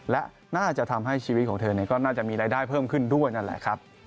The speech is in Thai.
และน่าจะทำให้ชีวิตของเธอก็น่าจะมีรายได้เพิ่มขึ้นด้วยนั่นแหละครับ